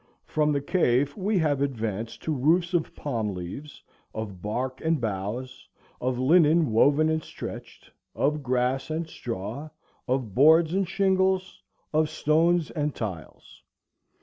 From the cave we have advanced to roofs of palm leaves, of bark and boughs, of linen woven and stretched, of grass and straw, of boards and shingles, of stones and tiles.